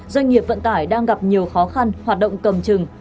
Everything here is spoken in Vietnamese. doanh nghiệp vận tải đang gặp nhiều khó khăn hoạt động cầm chừng